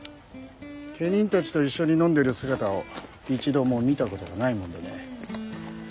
家人たちと一緒に飲んでる姿を一度も見たことがないもんでね。